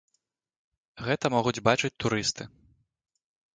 Гэта могуць бачыць турысты.